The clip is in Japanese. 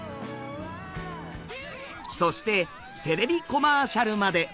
そしてテレビコマーシャルまで。